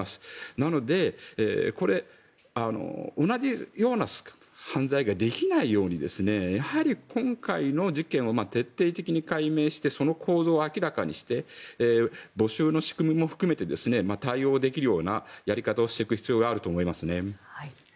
なので、これ同じような犯罪ができないようにやはり今回の事件を徹底的に解明してその構造を明らかにして募集の仕組みも含めて対応できるようなやり方をしていく必要があると思いますね。